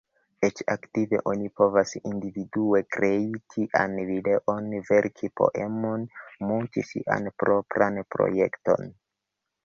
Eĉ aktive, oni povas individue krei tian videon, verki poemon, munti sian propran projekton.